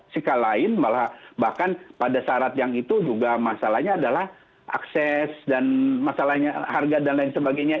sikap lain bahkan pada syarat yang itu juga masalahnya adalah akses dan masalahnya harga dan lain sebagainya